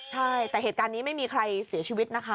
ใช่แต่เหตุการณ์นี้ไม่มีใครเสียชีวิตนะคะ